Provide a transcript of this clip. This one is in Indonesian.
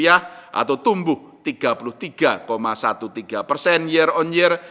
atau tumbuh tiga puluh tiga tiga belas persen year on year